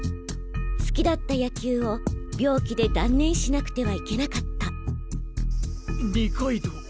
好きだった野球を病気で断念しなくてはいけなかった二階堂！？